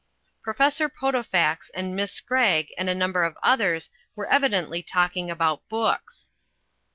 Professor Potofax and Miss Scragg and a number of others were evidently talking about books.